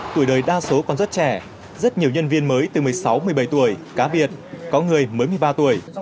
tuổi đời đa số còn rất trẻ rất nhiều nhân viên mới từ một mươi sáu một mươi bảy tuổi cá biệt có người mới một mươi ba tuổi